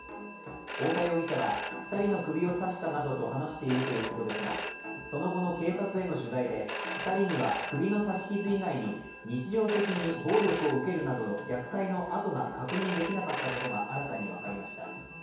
太田容疑者は２人の首を刺したなと話しているということですが、その後の警察への取材で、２人には首の刺し傷以外に日常的に暴力を受けるなどの虐待の痕を確認できなかったことが新たに分かりました。